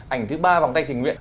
ảnh thứ ba vòng tay tình nguyện